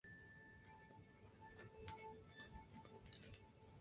毕业于南开大学历史系。